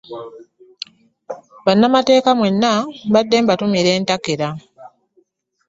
Bannamateeka mwenna mbadde mbatumira entakera.